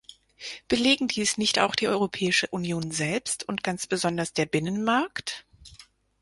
Belegen dies nicht auch die Europäische Union selbst und ganz besonders der Binnenmarkt?